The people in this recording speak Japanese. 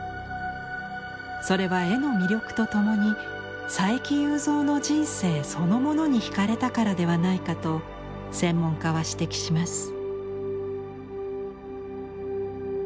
それは絵の魅力と共に佐伯祐三の人生そのものにひかれたからではないかと専門家は指摘します。